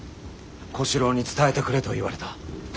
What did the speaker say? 小四郎に伝えてくれと言われた。